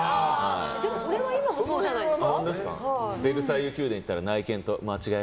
それは今もそうじゃないですか。